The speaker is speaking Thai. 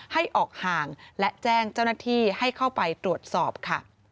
ให้ออกห่างและแจ้งเจ้าหน้าที่ให้เข้าไปตรวจสอบค่ะ